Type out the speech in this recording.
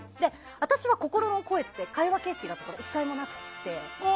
私は心の声って会話形式だったことが１回もなくて。